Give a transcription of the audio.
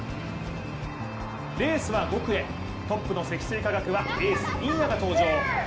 レースは５区へ、トップの積水化学はエース・新谷が登場。